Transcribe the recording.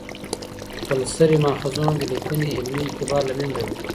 خپلسري ماخذونه د لیکني علمي اعتبار له منځه وړي.